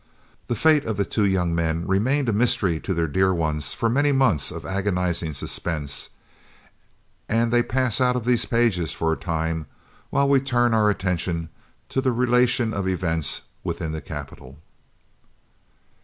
The fate of the two young men remained a mystery to their dear ones for many months of agonising suspense, and they pass out of these pages for a time while we turn our attention to the relation of events within the capital.